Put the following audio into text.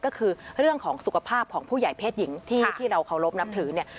ก็คือเรื่องของสุขภาพของผู้ใหญ่เพศหญิงที่เราเคารพนับถือเนี่ย